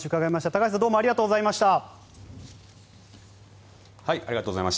高橋さん、どうもありがとうございました。